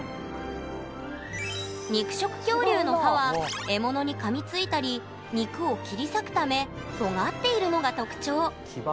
肉食恐竜の歯は獲物にかみついたり肉を切り裂くためとがっているのが特徴。